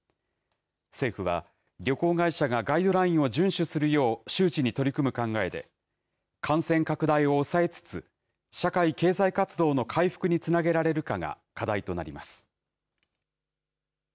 政府は、旅行会社がガイドラインを順守するよう周知に取り組む考えで、感染拡大を抑えつつ、社会・経済活動の回復につなげられるかが課題となります。